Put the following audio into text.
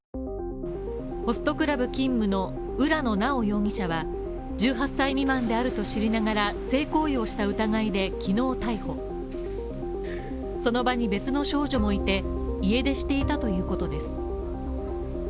ホストクラブ勤務の浦野那生容疑者は１８歳未満であると知りながら、性行為をした疑いできのう逮捕、その場に別の少女もいて、家出していたということです。